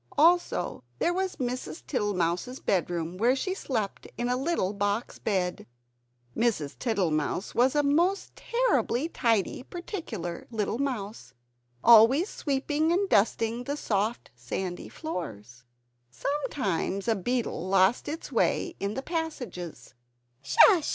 Also, there was Mrs. Tittle mouse's bedroom, where she slept in a little box bed! Mrs. Tittlemouse was a most terribly tidy particular little mouse, always sweeping and dusting the soft sandy floors. Sometimes a beetle lost its way in the passages.